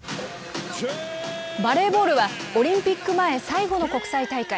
バレーボールはオリンピック前、最後の国際大会。